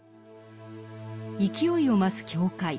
勢いを増す教会。